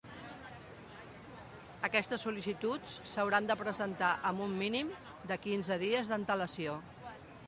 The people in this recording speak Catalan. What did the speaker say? Aquestes sol·licituds s'hauran de presentar amb un mínim de quinze dies d'antelació.